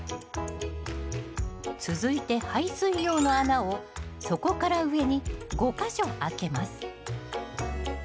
続いて排水用の穴を底から上に５か所あけます。